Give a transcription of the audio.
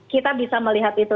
kita bisa melihat itu